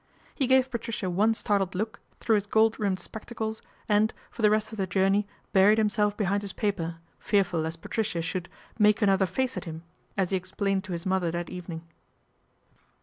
He gave Patricia one startled look through his gold rimmed spectacles and, for the rest of the journey, buried himself behind his paper, fearful lest Patricia should " make another face at him," as he ex plained to his mother that evening.